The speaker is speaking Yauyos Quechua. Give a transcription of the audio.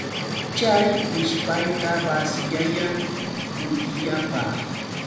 Chay ishpayta basiyayan butillapa.